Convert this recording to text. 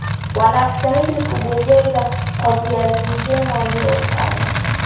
Wanastahili kupongezwa kwa kazi njema waliofaya.